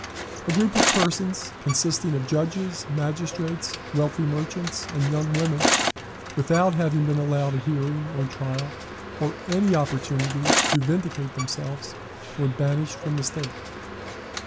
A group of persons, consisting of judges, magistrates, wealthy merchants, and young women, without having been allowed a hearing, or trial, or any opportunity to vindicate themselves, were banished from the State.